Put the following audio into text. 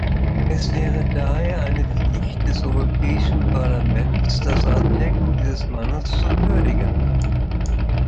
Es wäre daher eine Pflicht des Europäischen Parlaments, das Andenken dieses Mannes zu würdigen.